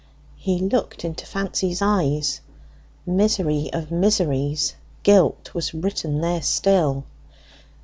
He looked into Fancy's eyes. Misery of miseries! guilt was written there still.